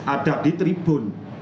ada di tribun